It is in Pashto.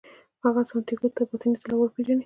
هغه سانتیاګو ته باطني طلا ورپېژني.